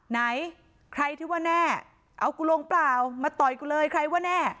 ไหนใครที่ว่าแน่เอากูลงเปล่ามาต่อยกูเลยใครว่าแน่